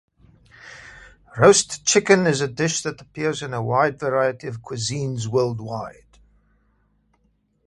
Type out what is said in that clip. Roast chicken is a dish that appears in a wide variety of cuisines worldwide.